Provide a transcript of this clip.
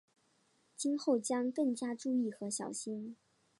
今后将更加注意和小心。